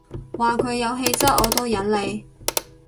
話佢有氣質我都忍你